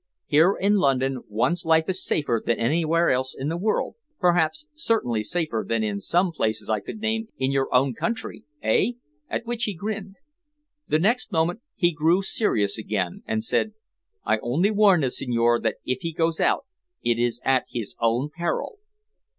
Here, in London, one's life is safer than anywhere else in the world, perhaps certainly safer than in some places I could name in your own country, eh?" at which he grinned. The next moment he grew serious again, and said: "I only warn the signore that if he goes out it is at his own peril."